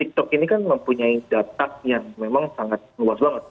tiktok ini kan mempunyai data yang memang sangat luas banget